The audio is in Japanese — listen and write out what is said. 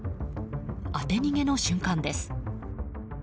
当て逃げの瞬間です。